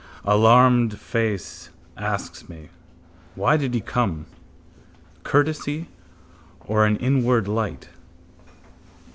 Alarmed face asks me. Why did he come? Courtesy or an inward light?